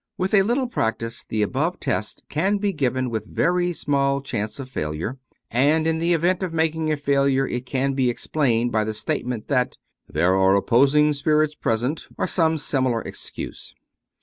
With a little practice the above test can be given with very small chance of failure ; and in the event of making a failure it can be explained by the statement that " there are opposing spirits present," or some similar excuse.